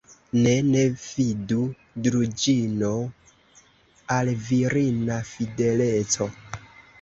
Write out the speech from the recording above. Ne, ne fidu, Druĵino, al virina fideleco!